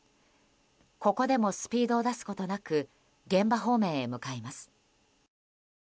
ここでもスピードを出すことなく現場方面へ向かいます。